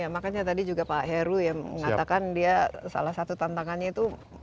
makanya tadi juga pak heru ya mengatakan dia salah satu tantangannya itu